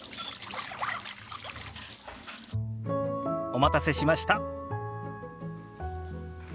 お待たせしました。